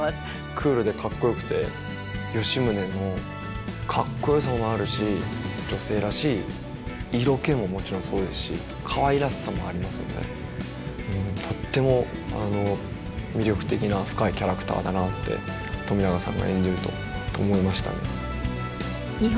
クールでかっこよくて吉宗のかっこよさもあるし女性らしい色気ももちろんそうですしかわいらしさもありますのでとっても魅力的な深いキャラクターだなって冨永さんが演じると思いましたね。